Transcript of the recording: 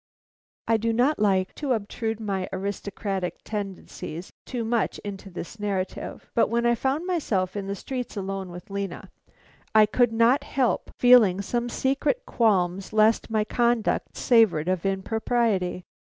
I do not like to obtrude my aristocratic tendencies too much into this narrative, but when I found myself in the streets alone with Lena, I could not help feeling some secret qualms lest my conduct savored of impropriety.